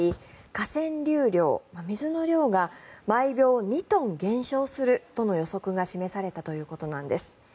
河川流量、水の量が毎秒２トン減少するとの予測が示されたということなんです。